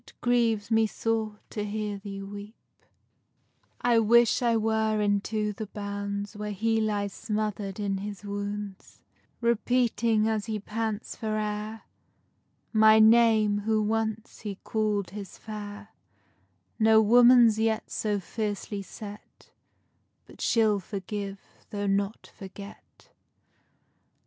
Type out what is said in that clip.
_ I wish I were into the bounds Where he lies smother'd in his wounds, Repeating, as he pants for air, My name, whom once he call'd his fair; No woman's yet so fiercely set But she'll forgive, though not forget.